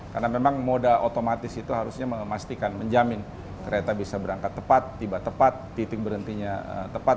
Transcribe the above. karena memang moda otomatis itu harusnya memastikan menjamin kereta bisa berangkat tepat tiba tepat titik berhentinya tepat